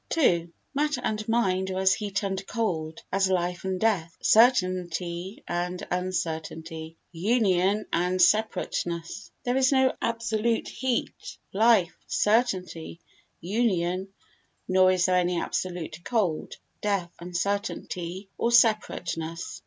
ii Matter and mind are as heat and cold, as life and death, certainty and uncertainty, union and separateness. There is no absolute heat, life, certainty, union, nor is there any absolute cold, death, uncertainty or separateness.